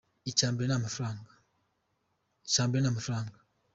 icyambere namafaranga